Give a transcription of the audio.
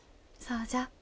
そうじゃ。